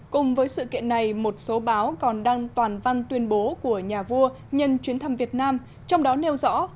cùng với sự kiện này một số báo còn đăng toàn văn tuyên bố của nhà vua nhân chuyến thăm việt nam trong đó nêu rõ